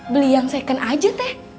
beli yang second aja teh